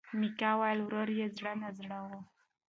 میکا وویل ورور یې زړه نا زړه و.